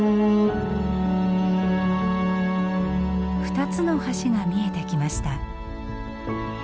２つの橋が見えてきました。